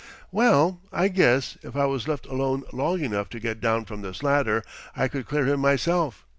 "Well, I guess, if I was left alone long enough to get down from this ladder, I could clear him myself.